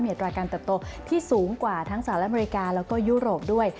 อัตราการเติบโตที่สูงกว่าทั้งสหรัฐอเมริกาแล้วก็ยุโรปด้วย